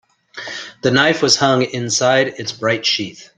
The knife was hung inside its bright sheath.